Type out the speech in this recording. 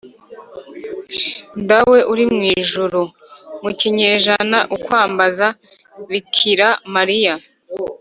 “dawe uri mu ijuru” mu kinyejana ukwambaza bikira mariya